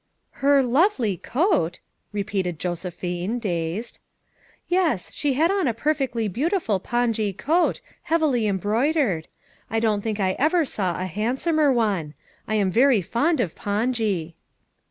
"Her 'lovely coat 9 1" repeated Josephine, dazed. "Yes, she had on a perfectly heautiful pongee coat, heavily embroidered; I don't think I ever saw a handsomer one. I am very fond of pongee."